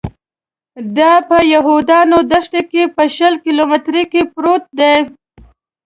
دا په یهودانو دښته کې په شل کیلومترۍ کې پروت دی.